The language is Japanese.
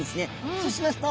そうしますとおお！